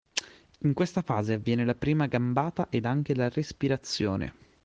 In questa fase avviene la prima gambata ed anche la respirazione.